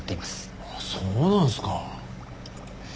あっそうなんですか。